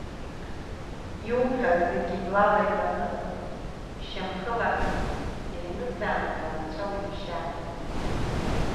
Иуҳәаз зегьы блала ибаны шьамхыла еимыздаанӡа анцәа уимшьааит!